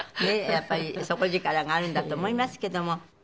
やっぱり底力があるんだと思いますけども。